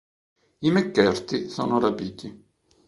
I McCarthy sono rapiti.